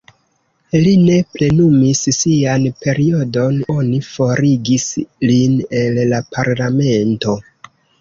Li ne plenumis sian periodon, oni forigis lin el la parlamento.